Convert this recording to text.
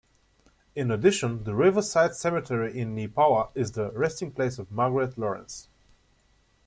In addition the Riverside Cemetery in Neepawa is the resting place of Margaret Laurence.